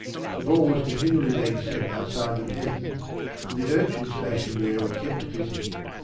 The ball was continually being sent outside the pegs, and the urchins stationed there were kept busy.